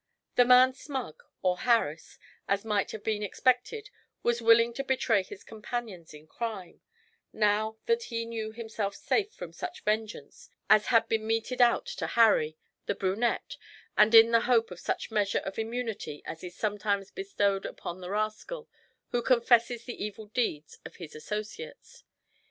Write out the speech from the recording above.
The man Smug, or Harris, as might have been expected, was willing to betray his companions in crime, now that he knew himself safe from such vengeance as had been meted out to Harry, the brunette, and in the hope of such measure of immunity as is sometimes bestowed upon the rascal who 'confesses' the evil deeds of his associates.